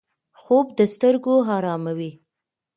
خوب د سترګو آراموي